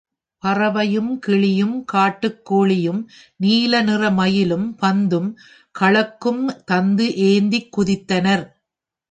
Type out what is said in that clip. பறவையும், கிளியும், காட்டுக் கோழியும், நீல நிறமயிலும், பந்தும், கழங்கும் தந்து ஏத்தித் துதித்தனர்.